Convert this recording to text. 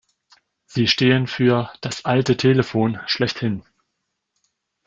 Sie stehen für „das alte Telefon“ schlechthin.